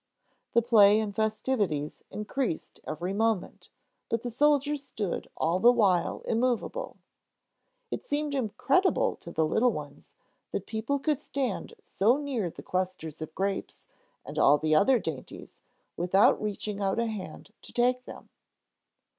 The play and festivities increased every moment, but the soldiers stood all the while immovable. It seemed incredible to the little ones that people could stand so near the clusters of grapes and all the other dainties, without reaching out a hand to take them.